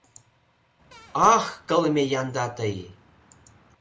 Ах, кылме янда тый!..